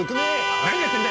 何やってんだ！？